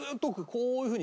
こういうふうに。